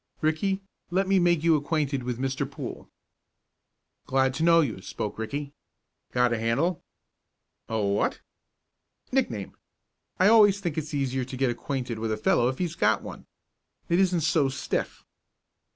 Ricky, let me make you acquainted with Mr. Poole." "Glad to know you," spoke Ricky. "Got a handle?" "A what?" "Nickname. I always think it's easier to get acquainted with a fellow if he's got one. It isn't so stiff."